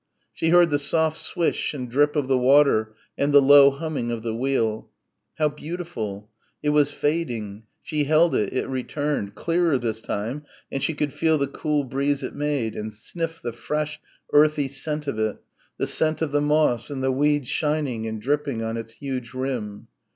She heard the soft swish and drip of the water and the low humming of the wheel. How beautiful ... it was fading.... She held it it returned clearer this time and she could feel the cool breeze it made, and sniff the fresh earthy scent of it, the scent of the moss and the weeds shining and dripping on its huge rim.